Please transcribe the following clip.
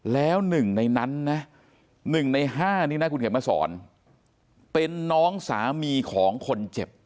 แล้วหนึ่งในนั้นนะ๑ใน๕นี้นะคุณเขียนมาสอนเป็นน้องสามีของคนเจ็บ